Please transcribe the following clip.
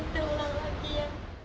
itu lagi ya